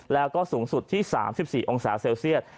แล้วก็สูงสุดที่๓๔องศาเซลเซียต